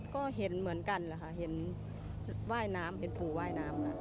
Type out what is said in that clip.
ก็เห็นเหมือนกันแหละค่ะเห็นว่ายน้ำเห็นปู่ว่ายน้ำค่ะ